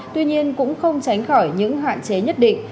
tuy nhiên cũng không tránh khỏi những hạn chế nhất định